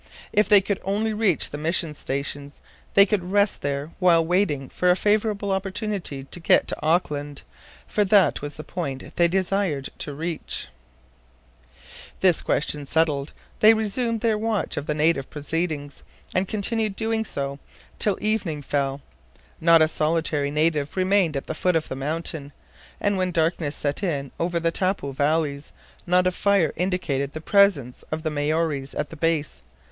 If they could only reach the mission stations they could rest there while waiting for a favorable opportunity to get to Auckland, for that was the point they desired to reach. This question settled, they resumed their watch of the native proceedings, and continued so doing till evening fell. Not a solitary native remained at the foot of the mountain, and when darkness set in over the Taupo valleys, not a fire indicated the presence of the Maories at the base.